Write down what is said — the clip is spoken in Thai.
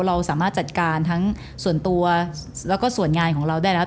เราสามารถจัดการทั้งส่วนตัวแล้วก็ส่วนงานของเราได้แล้ว